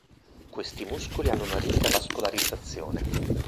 Questi muscoli hanno una ricca vascolarizzazione.